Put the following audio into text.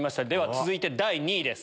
続いて第２位です。